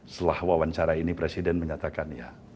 setelah wawancara ini presiden menyatakan ya